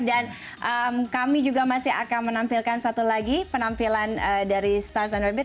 dan kami juga masih akan menampilkan satu lagi penampilan dari star strayed beat